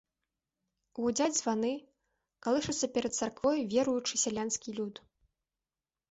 Гудзяць званы, калышацца перад царквой веруючы сялянскі люд.